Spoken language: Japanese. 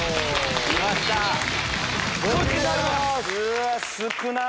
うわ少なっ！